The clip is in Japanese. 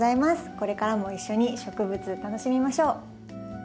これからも一緒に植物楽しみましょう。